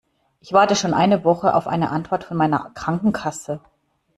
Ich warte schon eine Woche auf eine Antwort von meiner Krankenkasse.